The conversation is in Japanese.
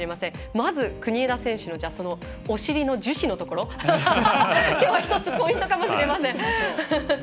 まず、国枝選手のお尻の樹脂のところきょうは１つポイントかもしれません。